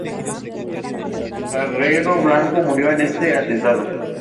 Carrero Blanco murió en este atentado.